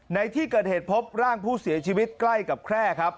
ในที่เกิดเหตุพบร่างผู้เสียชีวิตใกล้กับแคร่ครับ